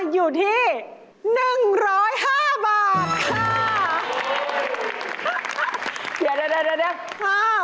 อยู่ที่๑๐๕บาทจ้า